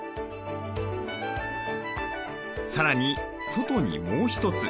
さらに外にもう一つ。